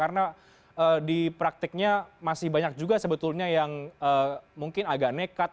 karena di praktiknya masih banyak juga sebetulnya yang mungkin agak nekat